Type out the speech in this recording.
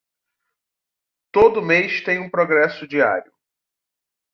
Todo mês tem um progresso diário